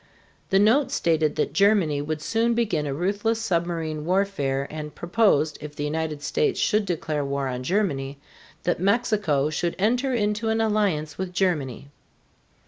The note stated that Germany would soon begin a ruthless submarine warfare and proposed, if the United States should declare war on Germany, that Mexico should enter into an alliance with Germany.